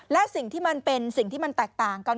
และสิ่งที่มันเป็นสิ่งที่มันแตกต่างกัน